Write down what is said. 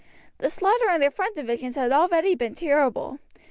The slaughter in their front divisions had already been terrible.